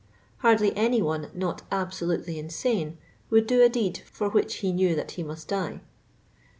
Hardly any one not absolutely insane would do a deed for which he knew, that he must die.